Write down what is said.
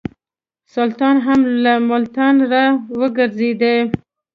سلطان هم له ملتانه را وګرځېدی.